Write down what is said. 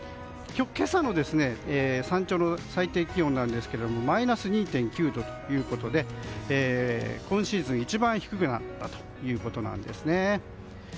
今朝の山頂の最低気温ですがマイナス２．９度ということで今シーズン一番低くなったんです。